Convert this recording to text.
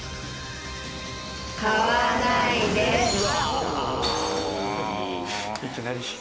買わないです。